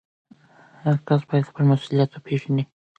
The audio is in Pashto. هر کس باید خپل مسؤلیت وپېژني.